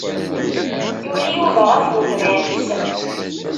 Yuli Yuba ɣef ugmar-is.